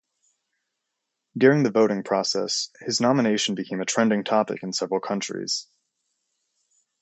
During the voting process, his nomination became a trending topic in several countries.